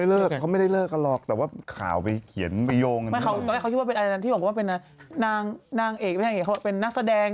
เลิกหรือเลิกมีเลิกหรือยังคะ